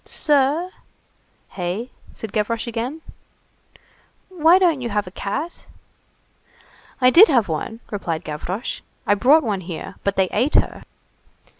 "Sir?" "Hey?" said Gavroche again. "Why don't you have a cat?" "I did have one," replied Gavroche, "I brought one here, but they ate her."